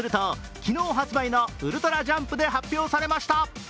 昨日「ウルトラジャンプ」で発表されました。